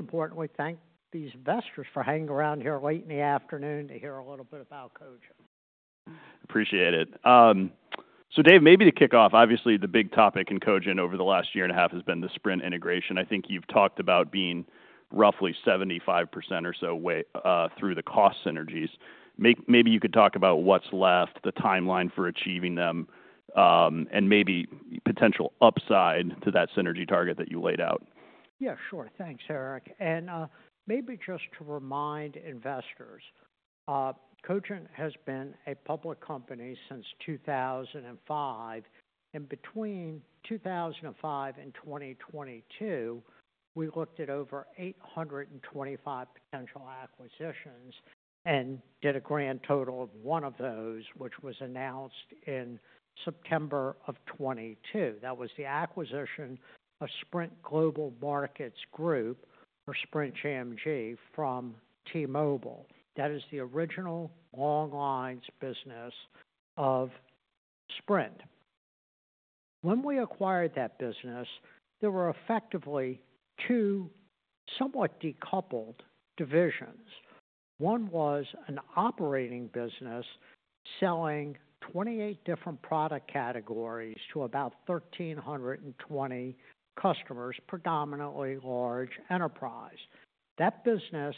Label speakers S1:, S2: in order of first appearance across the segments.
S1: Support, and we thank these investors for hanging around here late in the afternoon to hear a little bit about Cogent.
S2: Appreciate it. So, Dave, maybe to kick off, obviously the big topic in Cogent over the last year and a half has been the Sprint integration. I think you've talked about being roughly 75% or so way through the cost synergies. Maybe you could talk about what's left, the timeline for achieving them, and maybe potential upside to that synergy target that you laid out.
S1: Yeah, sure. Thanks, Eric, and maybe just to remind investors, Cogent has been a public company since 2005. In between 2005 and 2022, we looked at over 825 potential acquisitions and did a grand total of one of those, which was announced in September of 2022. That was the acquisition of Sprint Global Markets Group or Sprint GMG from T-Mobile. That is the original long-lines business of Sprint. When we acquired that business, there were effectively two somewhat decoupled divisions. One was an operating business selling 28 different product categories to about 1,320 customers, predominantly large enterprise. That business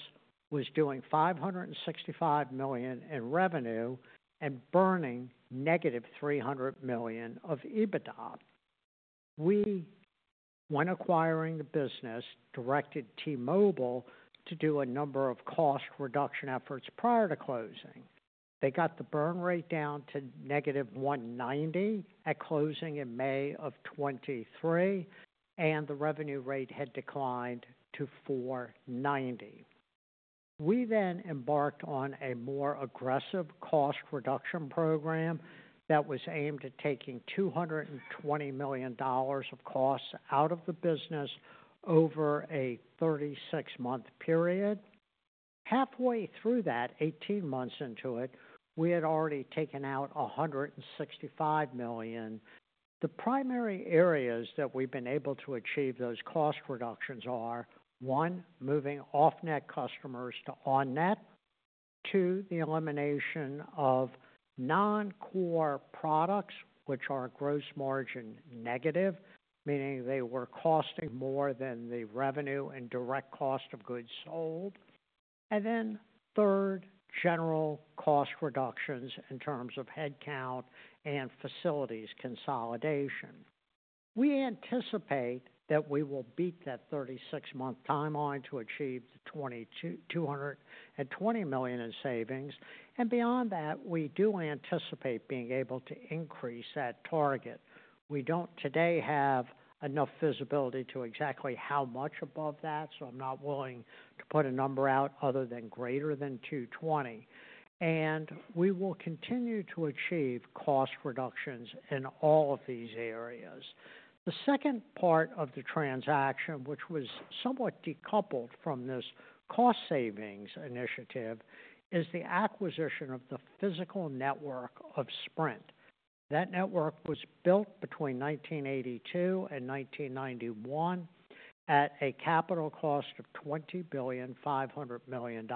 S1: was doing $565 million in revenue and burning negative $300 million of EBITDA. We, when acquiring the business, directed T-Mobile to do a number of cost reduction efforts prior to closing. They got the burn rate down to -$190 at closing in May of 2023, and the revenue rate had declined to $490. We then embarked on a more aggressive cost reduction program that was aimed at taking $220 million of costs out of the business over a 36-month period. Halfway through that, 18 months into it, we had already taken out $165 million. The primary areas that we've been able to achieve those cost reductions are: one, moving off-net customers to on-net; two, the elimination of non-core products, which are gross margin negative, meaning they were costing more than the revenue and direct cost of goods sold; and then third, general cost reductions in terms of headcount and facilities consolidation. We anticipate that we will beat that 36-month timeline to achieve the $220 million in savings, and beyond that, we do anticipate being able to increase that target. We don't today have enough visibility to exactly how much above that, so I'm not willing to put a number out other than greater than $220, and we will continue to achieve cost reductions in all of these areas. The second part of the transaction, which was somewhat decoupled from this cost savings initiative, is the acquisition of the physical network of Sprint. That network was built between 1982 and 1991 at a capital cost of $20.5 billion.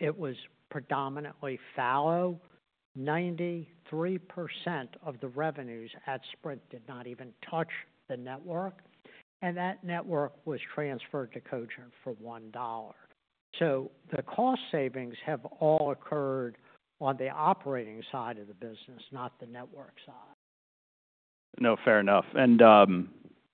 S1: It was predominantly fallow. 93% of the revenues at Sprint did not even touch the network, and that network was transferred to Cogent for $1, so the cost savings have all occurred on the operating side of the business, not the network side.
S2: No, fair enough. And,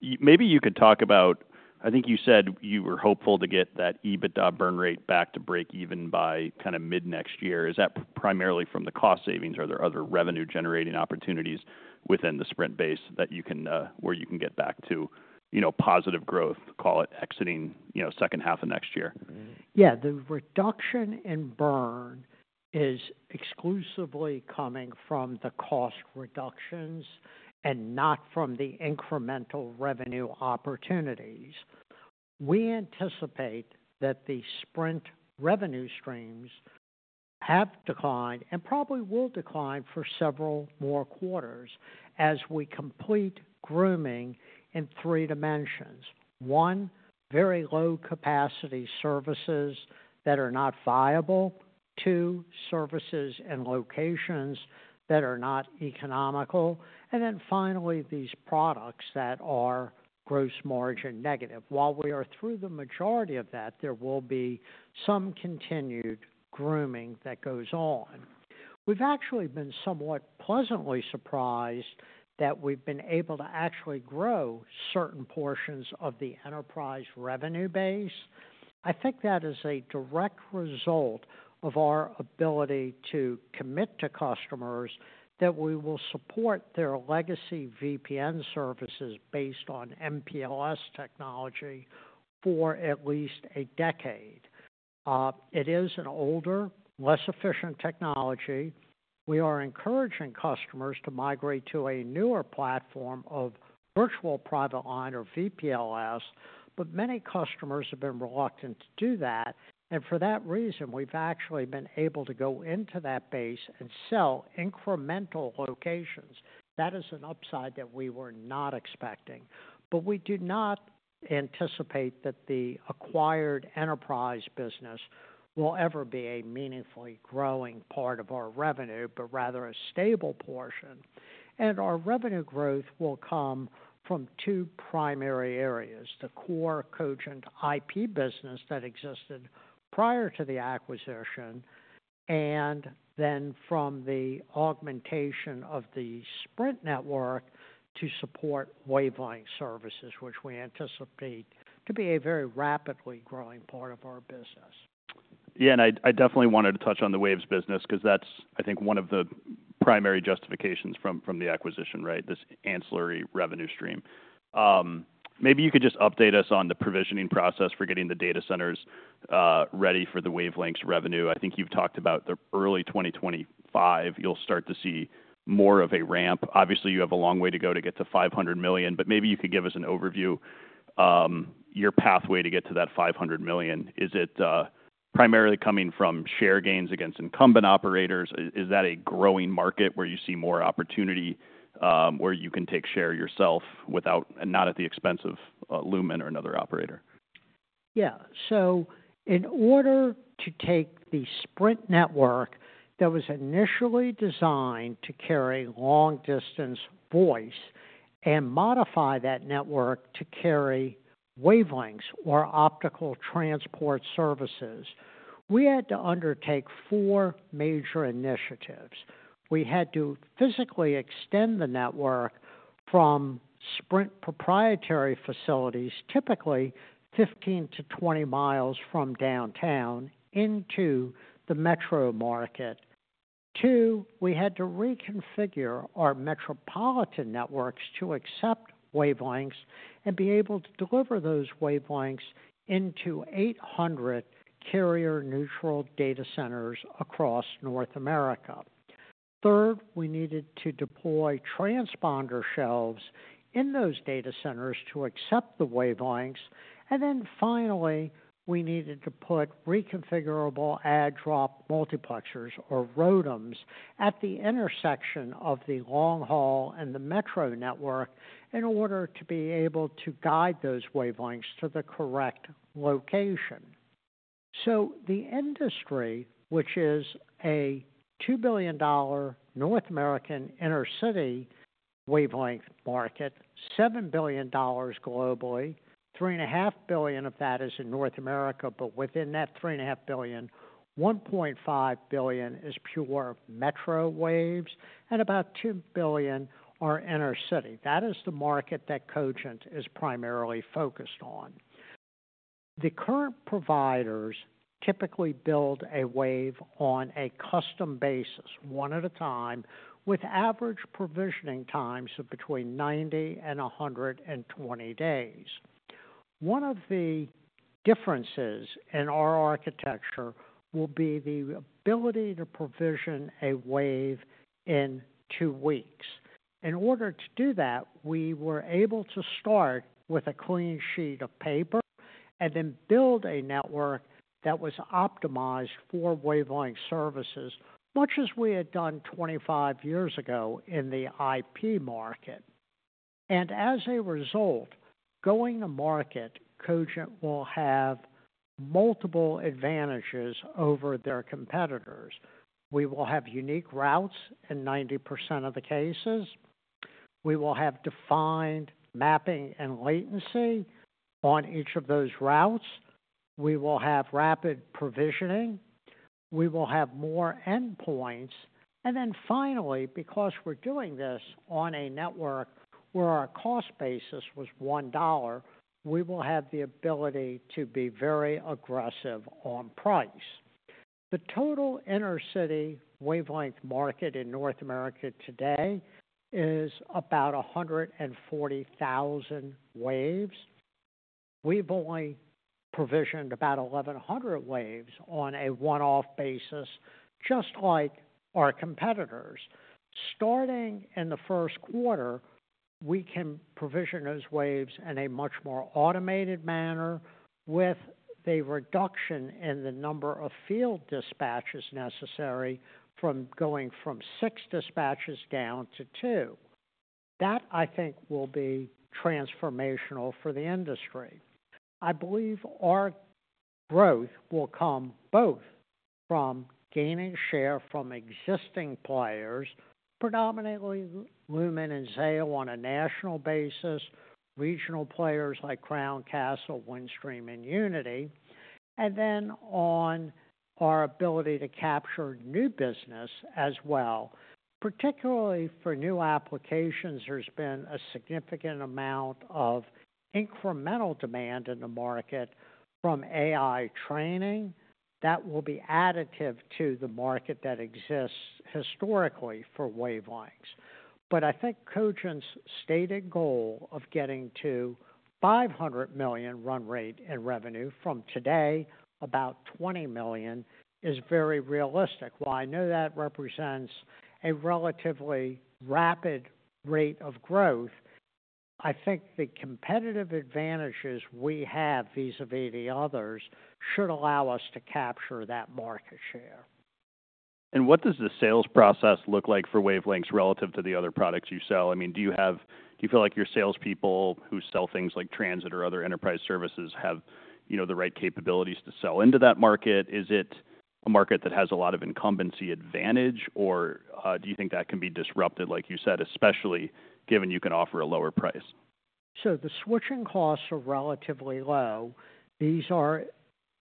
S2: you maybe could talk about, I think you said you were hopeful to get that EBITDA burn rate back to break even by kind of mid-next year. Is that primarily from the cost savings, or are there other revenue-generating opportunities within the Sprint base that you can, where you can get back to, you know, positive growth, call it exiting, you know, second half of next year?
S1: Yeah, the reduction in burn is exclusively coming from the cost reductions and not from the incremental revenue opportunities. We anticipate that the Sprint revenue streams have declined and probably will decline for several more quarters as we complete grooming in three dimensions: one, very low-capacity services that are not viable. Two, services and locations that are not economical. And then finally, these products that are gross margin negative. While we are through the majority of that, there will be some continued grooming that goes on. We've actually been somewhat pleasantly surprised that we've been able to actually grow certain portions of the enterprise revenue base. I think that is a direct result of our ability to commit to customers that we will support their legacy VPN services based on MPLS technology for at least a decade. It is an older, less efficient technology. We are encouraging customers to migrate to a newer platform of Virtual Private LAN Service or VPLS, but many customers have been reluctant to do that, and for that reason, we've actually been able to go into that base and sell incremental locations. That is an upside that we were not expecting, but we do not anticipate that the acquired enterprise business will ever be a meaningfully growing part of our revenue, but rather a stable portion, and our revenue growth will come from two primary areas: the core Cogent IP business that existed prior to the acquisition, and then from the augmentation of the Sprint network to support wavelength services, which we anticipate to be a very rapidly growing part of our business.
S2: Yeah, and I, I definitely wanted to touch on the waves business 'cause that's, I think, one of the primary justifications from, from the acquisition, right? This ancillary revenue stream. Maybe you could just update us on the provisioning process for getting the data centers, ready for the wavelengths revenue. I think you've talked about the early 2025, you'll start to see more of a ramp. Obviously, you have a long way to go to get to $500 million, but maybe you could give us an overview, your pathway to get to that $500 million. Is it, primarily coming from share gains against incumbent operators? I-is that a growing market where you see more opportunity, where you can take share yourself without, not at the expense of, Lumen or another operator?
S1: Yeah, so in order to take the Sprint network that was initially designed to carry long-distance voice and modify that network to carry wavelengths or optical transport services, we had to undertake four major initiatives. We had to physically extend the network from Sprint proprietary facilities, typically 15-20 miles from downtown into the metro market. Two, we had to reconfigure our metropolitan networks to accept wavelengths and be able to deliver those wavelengths into 800 carrier-neutral data centers across North America. Third, we needed to deploy transponder shelves in those data centers to accept the wavelengths. And then finally, we needed to put reconfigurable add/drop multiplexers or ROADMs at the intersection of the long-haul and the metro network in order to be able to guide those wavelengths to the correct location. So the industry, which is a $2 billion North American inter-city wavelength market, $7 billion globally, $3.5 billion of that is in North America, but within that $3.5 billion, $1.5 billion is pure metro waves, and about $2 billion are inter-city. That is the market that Cogent is primarily focused on. The current providers typically build a wave on a custom basis, one at a time, with average provisioning times of between 90 and 120 days. One of the differences in our architecture will be the ability to provision a wave in two weeks. In order to do that, we were able to start with a clean sheet of paper and then build a network that was optimized for wavelength services, much as we had done 25 years ago in the IP market. And as a result, going to market, Cogent will have multiple advantages over their competitors. We will have unique routes in 90% of the cases. We will have defined mapping and latency on each of those routes. We will have rapid provisioning. We will have more endpoints, and then finally, because we're doing this on a network where our cost basis was $1, we will have the ability to be very aggressive on price. The total inter-city wavelength market in North America today is about 140,000 waves. We've only provisioned about 1,100 waves on a one-off basis, just like our competitors. Starting in the first quarter, we can provision those waves in a much more automated manner with the reduction in the number of field dispatches necessary from going from six dispatches down to two. That, I think, will be transformational for the industry. I believe our growth will come both from gaining share from existing players, predominantly Lumen and Zayo on a national basis, regional players like Crown Castle, Windstream, and Uniti, and then on our ability to capture new business as well. Particularly for new applications, there's been a significant amount of incremental demand in the market from AI training that will be additive to the market that exists historically for wavelengths. But I think Cogent's stated goal of getting to $500 million run rate in revenue from today, about $20 million, is very realistic. While I know that represents a relatively rapid rate of growth, I think the competitive advantages we have vis-à-vis the others should allow us to capture that market share.
S2: What does the sales process look like for wavelengths relative to the other products you sell? I mean, do you feel like your salespeople who sell things like transit or other enterprise services have, you know, the right capabilities to sell into that market? Is it a market that has a lot of incumbency advantage, or do you think that can be disrupted, like you said, especially given you can offer a lower price?
S1: The switching costs are relatively low. These are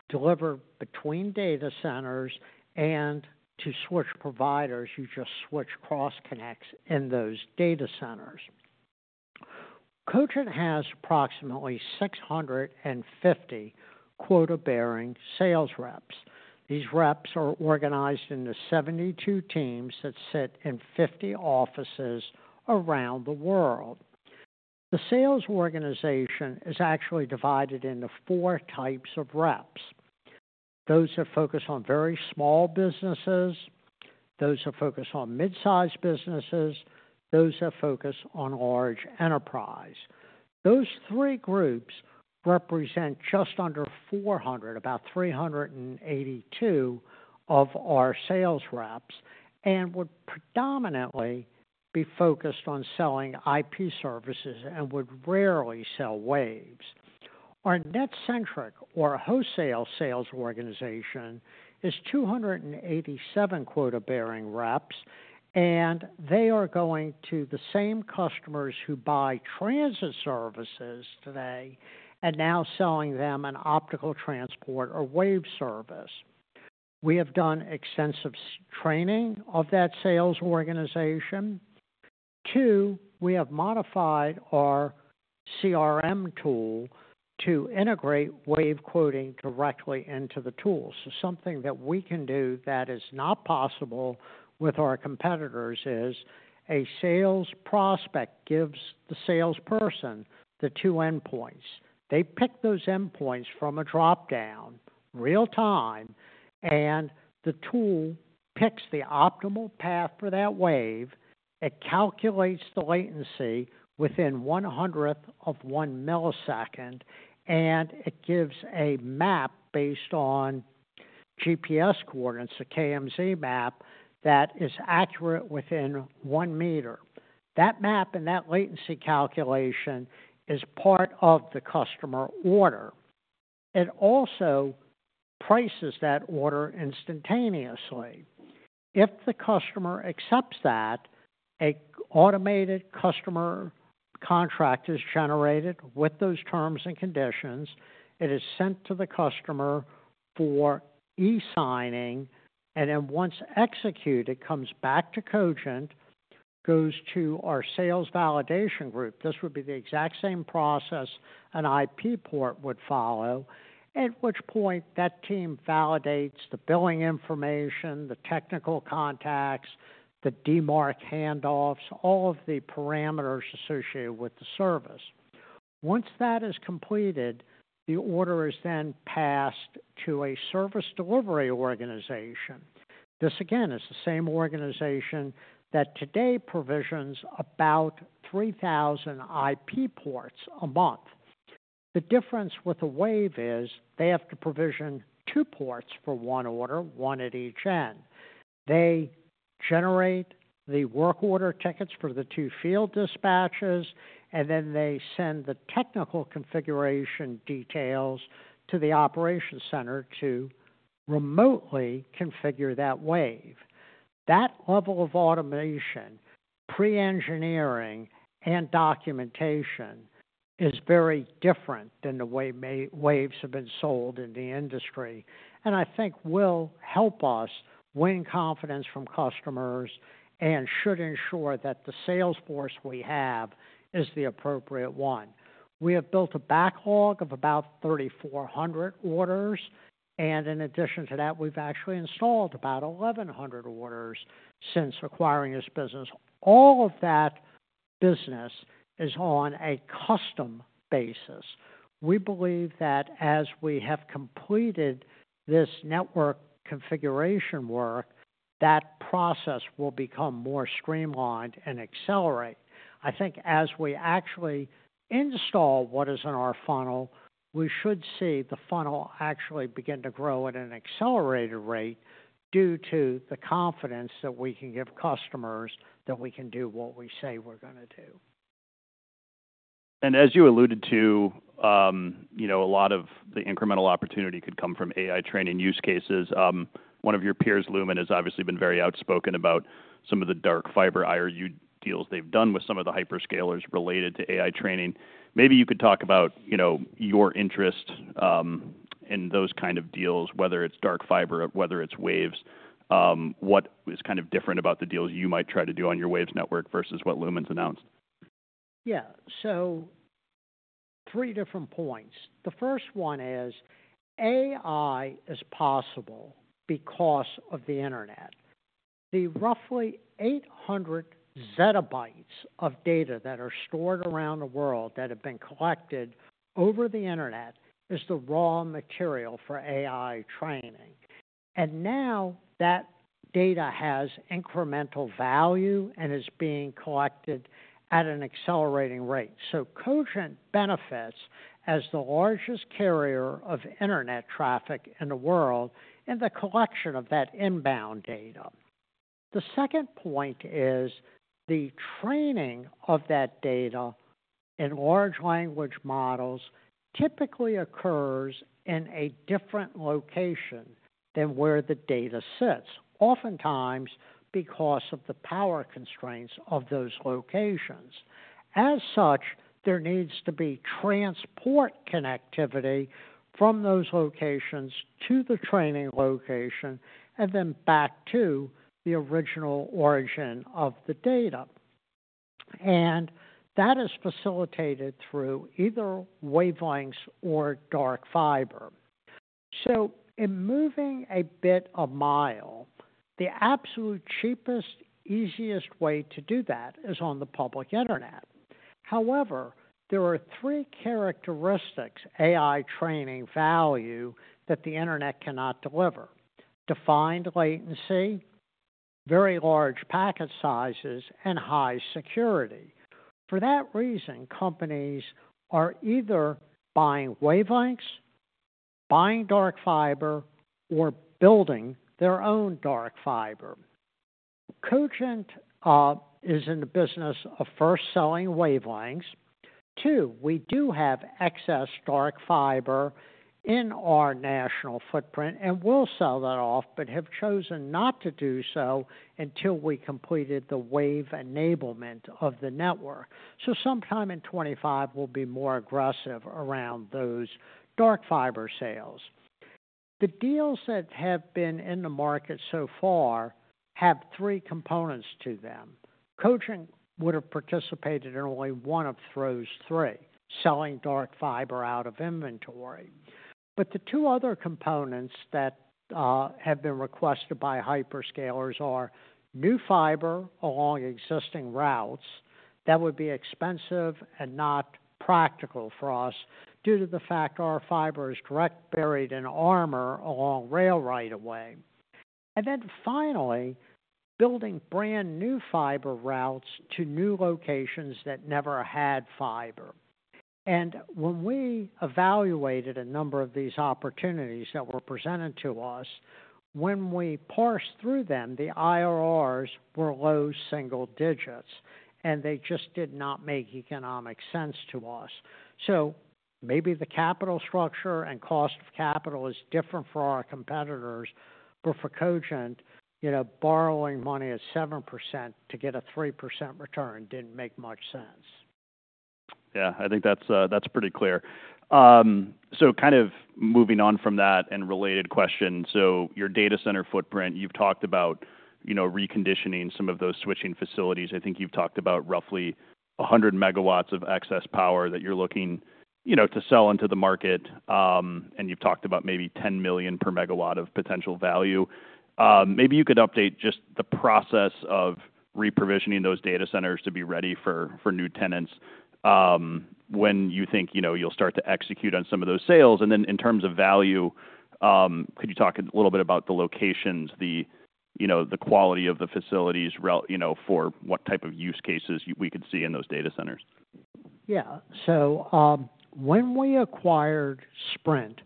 S1: delivered between data centers, and to switch providers, you just switch cross-connects in those data centers. Cogent has approximately 650 quota-bearing sales reps. These reps are organized into 72 teams that sit in 50 offices around the world. The sales organization is actually divided into four types of reps. Those that focus on very small businesses, those that focus on mid-sized businesses, those that focus on large enterprise. Those three groups represent just under 400, about 382 of our sales reps, and would predominantly be focused on selling IP services and would rarely sell waves. Our NetCentric or wholesale sales organization is 287 quota-bearing reps, and they are going to the same customers who buy transit services today and now selling them an optical transport or wave service. We have done extensive training of that sales organization. Two, we have modified our CRM tool to integrate wave quoting directly into the tool. So something that we can do that is not possible with our competitors is a sales prospect gives the salesperson the two endpoints. They pick those endpoints from a dropdown real-time, and the tool picks the optimal path for that wave. It calculates the latency within one hundredth of one millisecond, and it gives a map based on GPS coordinates, a KMZ map that is accurate within one meter. That map and that latency calculation is part of the customer order. It also prices that order instantaneously. If the customer accepts that, an automated customer contract is generated with those terms and conditions. It is sent to the customer for e-signing, and then once executed, it comes back to Cogent, goes to our sales validation group. This would be the exact same process an IP port would follow, at which point that team validates the billing information, the technical contacts, the demarc handoffs, all of the parameters associated with the service. Once that is completed, the order is then passed to a service delivery organization. This, again, is the same organization that today provisions about 3,000 IP ports a month. The difference with a wave is they have to provision two ports for one order, one at each end. They generate the work order tickets for the two field dispatches, and then they send the technical configuration details to the operations center to remotely configure that wave. That level of automation, pre-engineering, and documentation is very different than the way waves have been sold in the industry, and I think will help us win confidence from customers and should ensure that the sales force we have is the appropriate one. We have built a backlog of about 3,400 orders, and in addition to that, we've actually installed about 1,100 orders since acquiring this business. All of that business is on a custom basis. We believe that as we have completed this network configuration work, that process will become more streamlined and accelerate. I think as we actually install what is in our funnel, we should see the funnel actually begin to grow at an accelerated rate due to the confidence that we can give customers that we can do what we say we're gonna do.
S2: And as you alluded to, you know, a lot of the incremental opportunity could come from AI training use cases. One of your peers, Lumen, has obviously been very outspoken about some of the dark fiber IRU deals they've done with some of the hyperscalers related to AI training. Maybe you could talk about, you know, your interest, in those kind of deals, whether it's dark fiber, whether it's waves. What is kind of different about the deals you might try to do on your waves network versus what Lumen's announced?
S1: Yeah, so three different points. The first one is AI is possible because of the internet. The roughly 800 zettabytes of data that are stored around the world that have been collected over the internet is the raw material for AI training. And now that data has incremental value and is being collected at an accelerating rate. So Cogent benefits as the largest carrier of internet traffic in the world in the collection of that inbound data. The second point is the training of that data in large language models typically occurs in a different location than where the data sits, oftentimes because of the power constraints of those locations. As such, there needs to be transport connectivity from those locations to the training location and then back to the original origin of the data. And that is facilitated through either wavelengths or dark fiber. So in moving data a mile, the absolute cheapest, easiest way to do that is on the public internet. However, there are three characteristics that AI training values that the internet cannot deliver: defined latency, very large packet sizes, and high security. For that reason, companies are either buying wavelengths, buying dark fiber, or building their own dark fiber. Cogent is in the business of first selling wavelengths. Two, we do have excess dark fiber in our national footprint and will sell that off, but have chosen not to do so until we completed the wave enablement of the network. So sometime in 2025, we'll be more aggressive around those dark fiber sales. The deals that have been in the market so far have three components to them. Cogent would have participated in only one of those three, selling dark fiber out of inventory. The two other components that have been requested by hyperscalers are new fiber along existing routes that would be expensive and not practical for us due to the fact our fiber is directly buried in armor along rail right-of-way. And then finally, building brand new fiber routes to new locations that never had fiber. And when we evaluated a number of these opportunities that were presented to us, when we parsed through them, the IRRs were low single digits, and they just did not make economic sense to us. Maybe the capital structure and cost of capital is different for our competitors, but for Cogent, you know, borrowing money at 7% to get a 3% return didn't make much sense.
S2: Yeah, I think that's pretty clear. So, kind of moving on from that and related question. So, your data center footprint, you've talked about, you know, reconditioning some of those switching facilities. I think you've talked about roughly 100 megawatts of excess power that you're looking, you know, to sell into the market, and you've talked about maybe $10 million per megawatt of potential value. Maybe you could update just the process of re-provisioning those data centers to be ready for new tenants, when you think, you know, you'll start to execute on some of those sales, and then in terms of value, could you talk a little bit about the locations, the, you know, the quality of the facilities, you know, for what type of use cases we could see in those data centers?
S1: Yeah, so, when we acquired Sprint,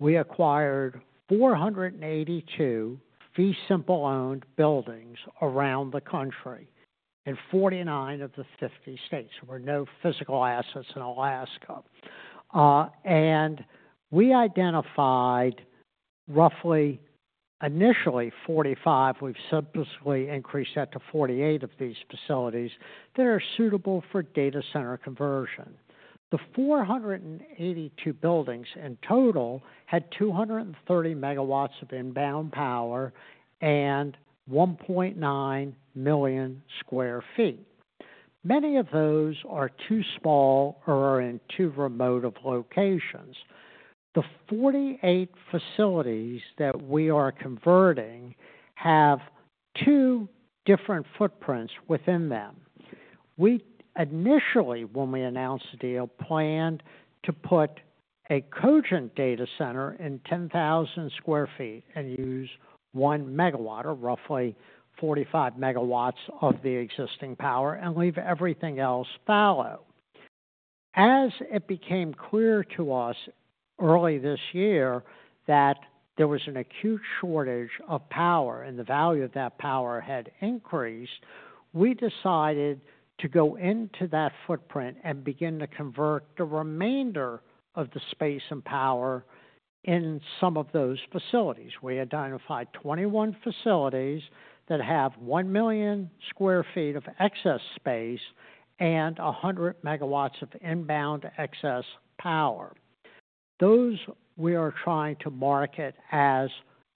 S1: we acquired 482 fee simple-owned buildings around the country in 49 of the 50 states. There were no physical assets in Alaska. And we identified roughly initially 45. We've subsequently increased that to 48 of these facilities that are suitable for data center conversion. The 482 buildings in total had 230 megawatts of inbound power and 1.9 million sq ft. Many of those are too small or are in too remote of locations. The 48 facilities that we are converting have two different footprints within them. We initially, when we announced the deal, planned to put a Cogent data center in 10,000 sq ft and use one megawatt, or roughly 45 megawatts of the existing power, and leave everything else fallow. As it became clear to us early this year that there was an acute shortage of power and the value of that power had increased, we decided to go into that footprint and begin to convert the remainder of the space and power in some of those facilities. We identified 21 facilities that have 1 million sq ft of excess space and 100 megawatts of inbound excess power. Those we are trying to market as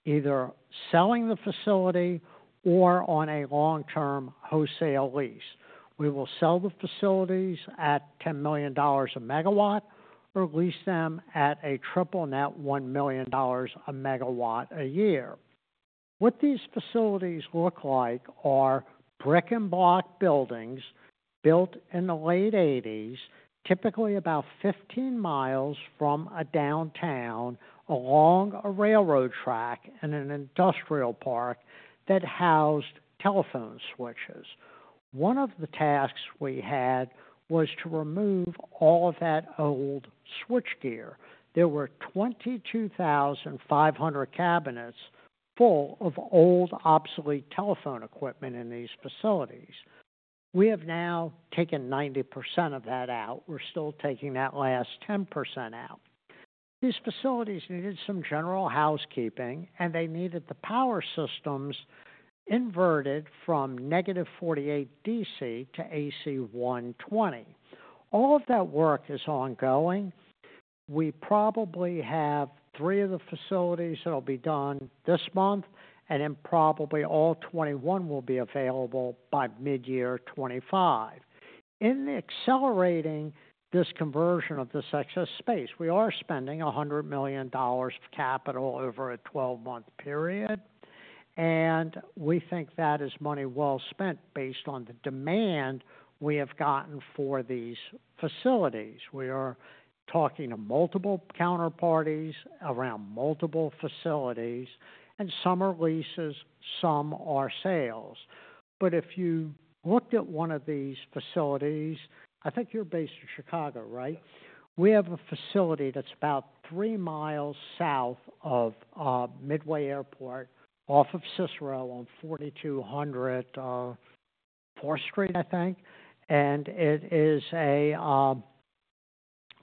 S1: either selling the facility or on a long-term wholesale lease. We will sell the facilities at $10 million a megawatt or lease them at a triple net $1 million a megawatt a year. What these facilities look like are brick-and-block buildings built in the late 1980s, typically about 15 mi from a downtown along a railroad track and an industrial park that housed telephone switches. One of the tasks we had was to remove all of that old switchgear. There were 22,500 cabinets full of old obsolete telephone equipment in these facilities. We have now taken 90% of that out. We're still taking that last 10% out. These facilities needed some general housekeeping, and they needed the power systems inverted from negative 48 DC to AC 120. All of that work is ongoing. We probably have three of the facilities that'll be done this month, and then probably all 21 will be available by mid-year 2025. In accelerating this conversion of this excess space, we are spending $100 million of capital over a 12-month period, and we think that is money well spent based on the demand we have gotten for these facilities. We are talking to multiple counterparties around multiple facilities, and some are leases, some are sales. But if you looked at one of these facilities, I think you're based in Chicago, right? We have a facility that's about three miles south of Midway Airport, off of Cicero on 4200 4th Street, I think. And it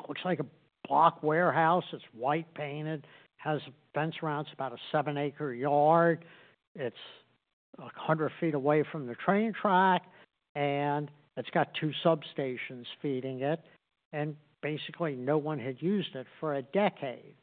S1: looks like a block warehouse. It's white painted, has a fence around it, it's about a seven-acre yard. It's 100 feet away from the train track, and it's got two substations feeding it. And basically, no one had used it for a decade.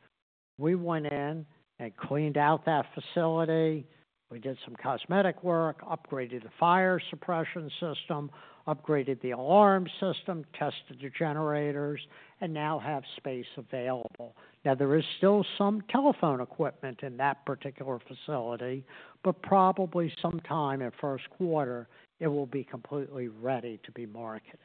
S1: We went in and cleaned out that facility. We did some cosmetic work, upgraded the fire suppression system, upgraded the alarm system, tested the generators, and now have space available. Now, there is still some telephone equipment in that particular facility, but probably sometime in first quarter, it will be completely ready to be marketed.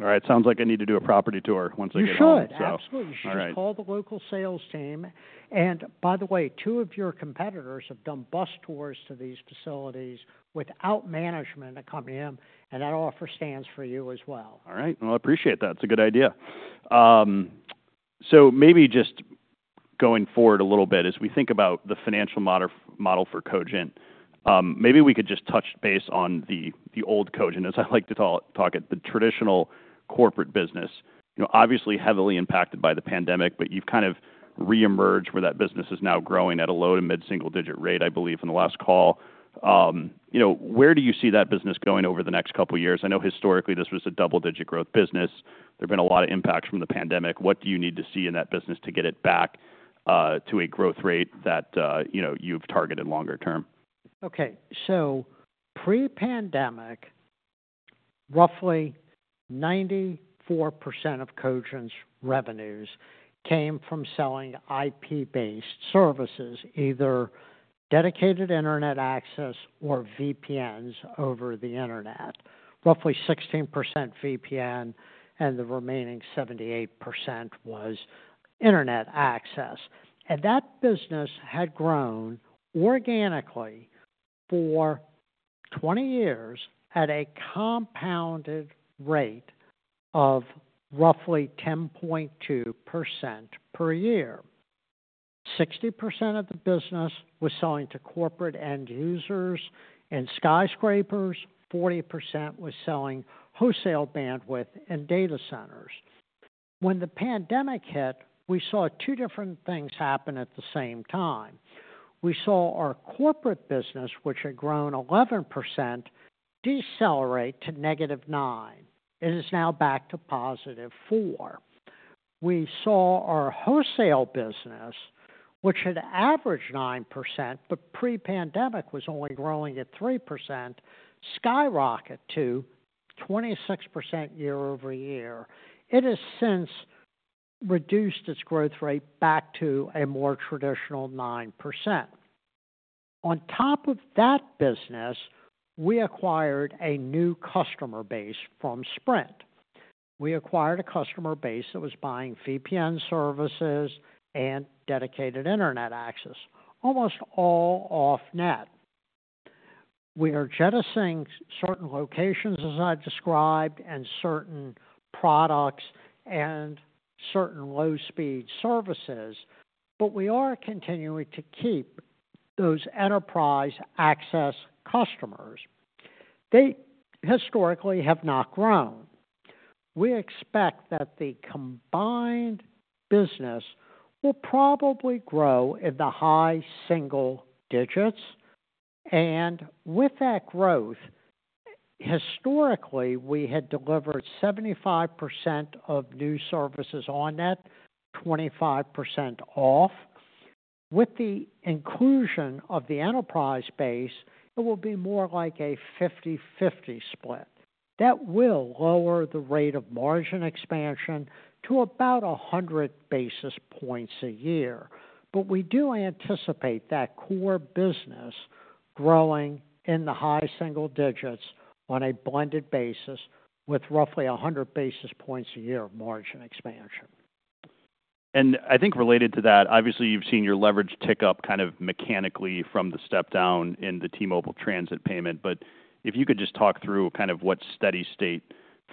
S2: All right, sounds like I need to do a property tour once I get home.
S1: You should, absolutely should. Call the local sales team. And by the way, two of your competitors have done bus tours to these facilities without management to come in, and that offer stands for you as well.
S2: All right, well, I appreciate that. It's a good idea. So maybe just going forward a little bit, as we think about the financial model for Cogent, maybe we could just touch base on the old Cogent, as I like to call it, the traditional corporate business. You know, obviously heavily impacted by the pandemic, but you've kind of reemerged where that business is now growing at a low to mid-single digit rate, I believe, in the last call. You know, where do you see that business going over the next couple of years? I know historically this was a double-digit growth business. There've been a lot of impacts from the pandemic. What do you need to see in that business to get it back to a growth rate that, you know, you've targeted longer term?
S1: Okay, so pre-pandemic, roughly 94% of Cogent's revenues came from selling IP-based services, either dedicated internet access or VPNs over the internet. Roughly 16% VPN, and the remaining 78% was internet access. And that business had grown organically for 20 years at a compounded rate of roughly 10.2% per year. 60% of the business was selling to corporate end users and skyscrapers. 40% was selling wholesale bandwidth and data centers. When the pandemic hit, we saw two different things happen at the same time. We saw our corporate business, which had grown 11%, decelerate to -9%. It is now back to positive 4%. We saw our wholesale business, which had averaged 9%, but pre-pandemic was only growing at 3%, skyrocket to 26% year-over-year. It has since reduced its growth rate back to a more traditional 9%. On top of that business, we acquired a new customer base from Sprint. We acquired a customer base that was buying VPN services and dedicated internet access, almost all off-net. We are jettisoning certain locations, as I described, and certain products and certain low-speed services, but we are continuing to keep those enterprise access customers. They historically have not grown. We expect that the combined business will probably grow in the high single digits, and with that growth, historically, we had delivered 75% of new services on-net, 25% off-net. With the inclusion of the enterprise base, it will be more like a 50/50 split. That will lower the rate of margin expansion to about 100 basis points a year, but we do anticipate that core business growing in the high single digits on a blended basis with roughly 100 basis points a year of margin expansion.
S2: And I think related to that, obviously you've seen your leverage tick up kind of mechanically from the step down in the T-Mobile transit payment. But if you could just talk through kind of what steady state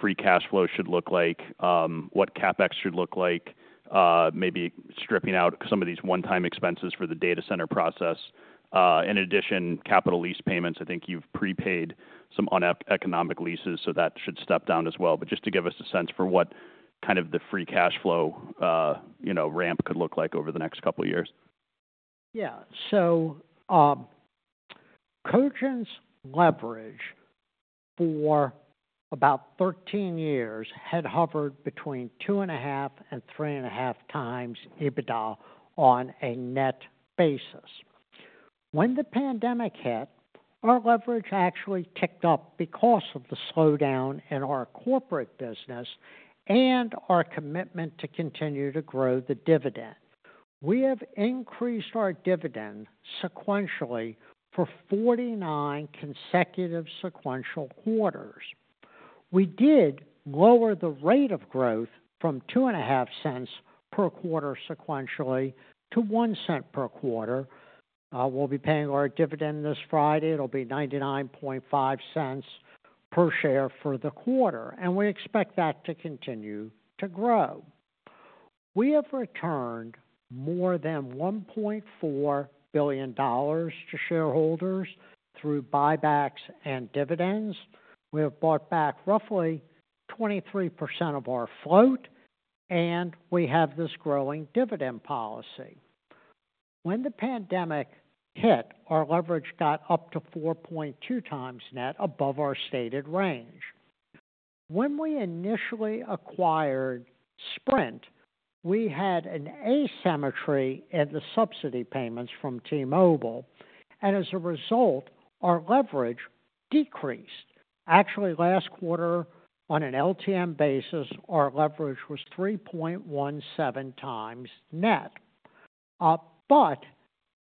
S2: free cash flow should look like, what CapEx should look like, maybe stripping out some of these one-time expenses for the data center process. In addition, capital lease payments, I think you've prepaid some uneconomic leases, so that should step down as well. But just to give us a sense for what kind of the free cash flow, you know, ramp could look like over the next couple of years.
S1: Yeah, so, Cogent's leverage for about 13 years had hovered between two and a half and three and a half times EBITDA on a net basis. When the pandemic hit, our leverage actually ticked up because of the slowdown in our corporate business and our commitment to continue to grow the dividend. We have increased our dividend sequentially for 49 consecutive sequential quarters. We did lower the rate of growth from two and a half cents per quarter sequentially to one cent per quarter. We'll be paying our dividend this Friday. It'll be $0.995 per share for the quarter, and we expect that to continue to grow. We have returned more than $1.4 billion to shareholders through buybacks and dividends. We have bought back roughly 23% of our float, and we have this growing dividend policy. When the pandemic hit, our leverage got up to 4.2 times net above our stated range. When we initially acquired Sprint, we had an asymmetry in the subsidy payments from T-Mobile, and as a result, our leverage decreased. Actually, last quarter, on an LTM basis, our leverage was 3.17 times net. But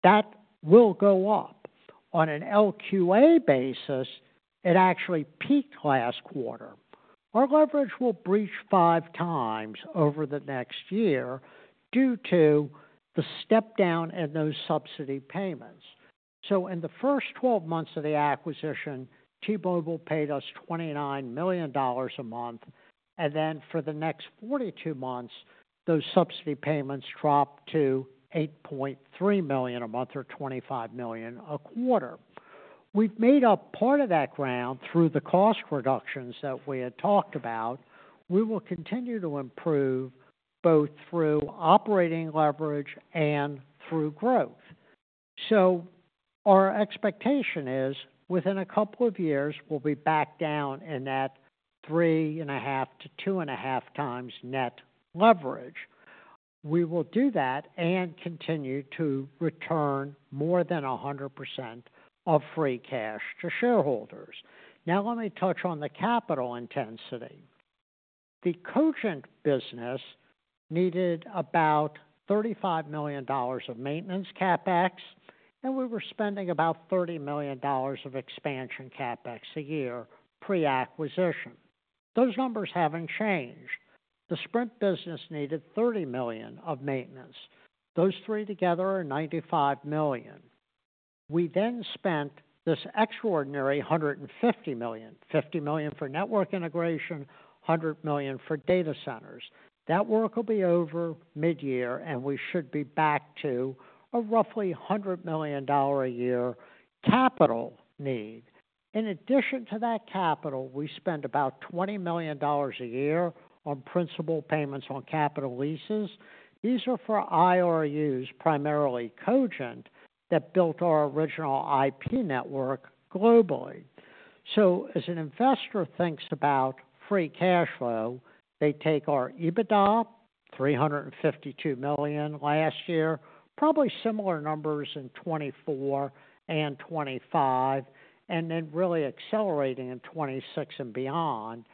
S1: that will go up. On an LQA basis, it actually peaked last quarter. Our leverage will breach five times over the next year due to the step down in those subsidy payments. So, in the first 12 months of the acquisition, T-Mobile paid us $29 million a month, and then for the next 42 months, those subsidy payments dropped to $8.3 million a month or $25 million a quarter. We've made up part of that ground through the cost reductions that we had talked about. We will continue to improve both through operating leverage and through growth. So, our expectation is within a couple of years, we'll be back down in that three and a half to two and a half times net leverage. We will do that and continue to return more than 100% of free cash to shareholders. Now, let me touch on the capital intensity. The Cogent business needed about $35 million of maintenance CapEx, and we were spending about $30 million of expansion CapEx a year pre-acquisition. Those numbers haven't changed. The Sprint business needed $30 million of maintenance. Those three together are $95 million. We then spent this extraordinary $150 million, $50 million for network integration, $100 million for data centers. That work will be over mid-year, and we should be back to a roughly $100 million a year capital need. In addition to that capital, we spent about $20 million a year on principal payments on capital leases. These are for IRUs, primarily Cogent, that built our original IP network globally. So, as an investor thinks about free cash flow, they take our EBITDA, $352 million last year, probably similar numbers in 2024 and 2025, and then really accelerating in 2026 and beyond.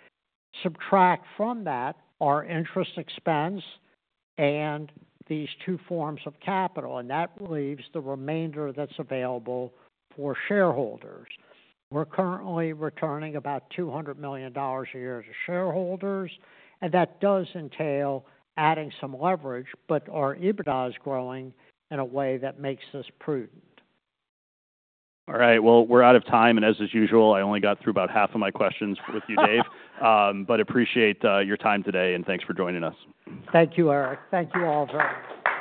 S1: Subtract from that our interest expense and these two forms of capital, and that leaves the remainder that's available for shareholders. We're currently returning about $200 million a year to shareholders, and that does entail adding some leverage, but our EBITDA is growing in a way that makes us prudent.
S2: All right, well, we're out of time, and as is usual, I only got through about half of my questions with you, Dave. But I appreciate your time today, and thanks for joining us.
S1: Thank you, Eric. Thank you all very much.